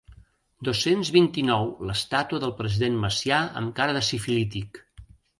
Dos-cents vint-i-nou l'estàtua del president Macià amb cara de sifilític.